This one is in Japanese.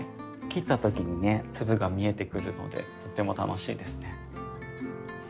切ったときにね粒が見えてくるのでとっても楽しいですね。